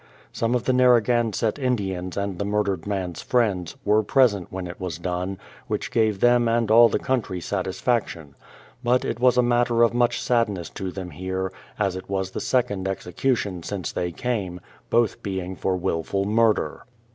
Some of the Narragansett Indians and the murdered man's friends, were present when it was done, which gave them and all the country satisfac tion. But it was a matter of much sadness to them here, as it was the second execution since they came, — both being for wilful murder.